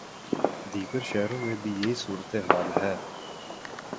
دیگر شہروں میں بھی یہی صورت حال ہے۔